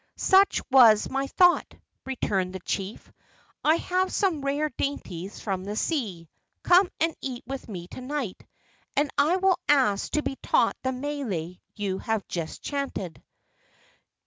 "Such was my thought," returned the chief. "I have some rare dainties from the sea. Come and eat with me to night, and I will ask to be taught the mele you have just chanted."